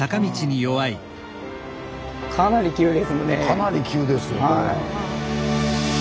かなり急ですよこれは。